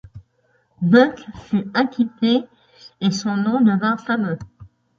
Buck fut acquitté et son nom devint fameux.